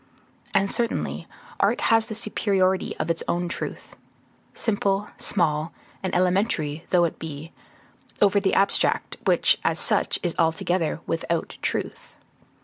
And certainly art has the superiority of its own truth; simple, small, and elementary though it be, over the abstract, which, as such, is altogether without truth.